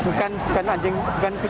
bukan anjing bukan kucing pelacak ya